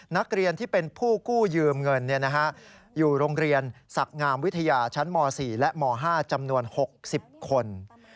นักเรียนที่เป็นผู้กู้ยืมเงินอยู่โรงเรียนศักดิ์งามวิทยาชั้นม๔และม๕จำนวน๖๐คน